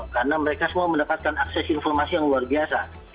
karena mereka semua mendapatkan akses informasi yang luar biasa